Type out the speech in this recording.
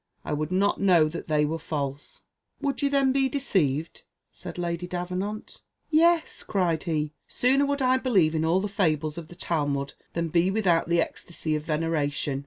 I would not know that they were false!" "Would you then be deceived?" said Lady Davenant. "Yes," cried he; "sooner would I believe in all the fables of the Talmud than be without the ecstasy of veneration.